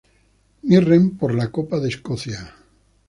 Mirren por la Copa de Escocia.